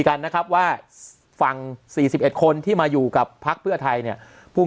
กันนะครับว่าฝั่ง๔๑คนที่มาอยู่กับพักเพื่อไทยเนี่ยพุ่ง